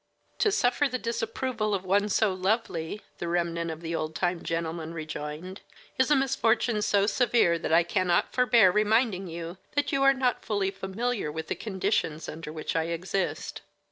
"To suffer the disapproval of one so lovely," the remnant of the old time gentleman rejoined, "is a misfortune so severe that I cannot forbear reminding you that you are not fully familiar with the conditions under which I exist."